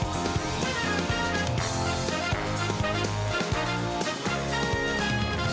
โปรดติดตามตอนต่อไป